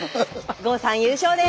郷さん優勝です。